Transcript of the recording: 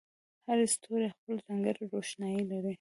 هر ستوری خپله ځانګړې روښنایي لري.